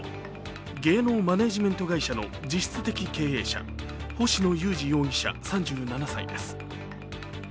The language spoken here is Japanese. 芸能マネージメント会社の実質的経営者、星野友志容疑者３７歳です。